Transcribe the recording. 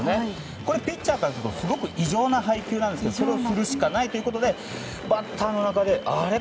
これ、ピッチャーからするとすごく異常な配球なんですがそれを振るしかないということでバッターの中であれ？